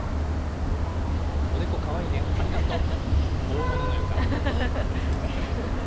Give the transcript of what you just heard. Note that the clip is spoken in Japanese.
おでこ、かわいいね、ありがとう。